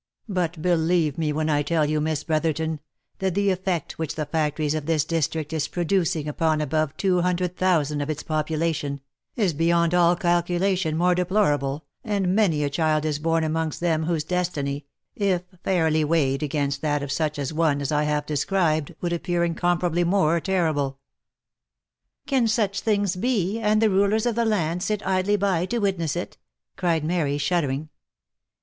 But believe me when I tell you, Miss Brotherton, that the effect which the factories of this district is producing upon above two hundred thousand of its population, is beyond all calcula tion more deplorable, and many a child is born amongst them whose destiny, if fairly weighed against that of such a one as I have described, would appear incomparably more terrible." '* Can such things be, and the rulers of the land sit idly by to wit ness it?" cried Mary shuddering.